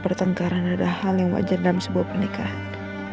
pertengkaran adalah hal yang wajar dalam sebuah pernikahan